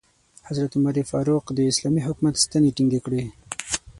حضرت عمر فاروق د اسلامي حکومت ستنې ټینګې کړې.